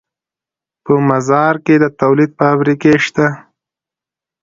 په مزار کې د تولید فابریکې شته